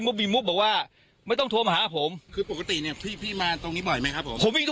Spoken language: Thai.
ไม่มีเหตุนะเขาไม่เคยเท่ากับใคร